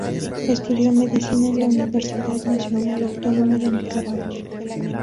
Estudio Medicina, en la Universidad Nacional Autónoma de Nicaragua.